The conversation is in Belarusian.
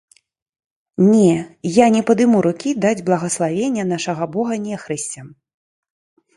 Не, я не падыму рукі даць благаславення нашага бога нехрысцям!